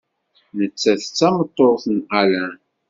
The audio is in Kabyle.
Nettat d tameṭṭut n Alain.